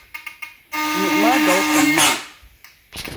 Nyuɣu maa galisim maa.